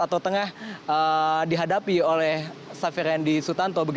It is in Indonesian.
atau tengah dihadapi oleh safirin disutanto